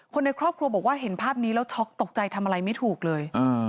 คนในครอบครัวบอกว่าเห็นภาพนี้แล้วช็อกตกใจทำอะไรไม่ถูกเลย